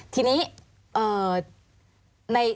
ทีนี้